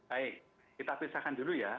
baik kita pisahkan dulu ya